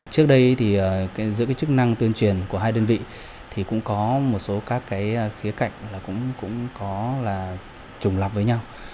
trước đây giữa chức năng tuyên truyền của hai đơn vị cũng có một số khía cạnh trùng lập với nhau